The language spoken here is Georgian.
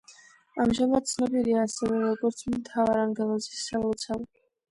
ამჟამად ცნობილია ასევე, როგორც მთავარანგელოზის სალოცავი.